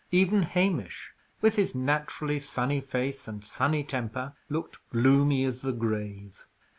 Even Hamish, with his naturally sunny face and sunny temper, looked gloomy as the grave.